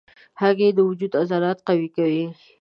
هګۍ د وجود عضلات قوي کوي.